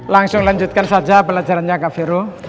langsung lanjutkan saja pelajarannya kak vero